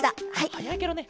はやいケロね。